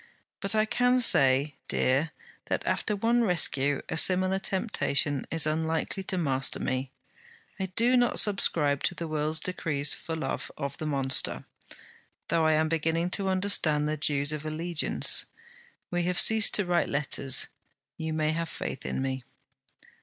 But I can say, dear, that after one rescue, a similar temptation is unlikely to master me. I do not subscribe to the world's decrees for love of the monster, though I am beginning to understand the dues of allegiance. We have ceased to write letters. You may have faith in me.'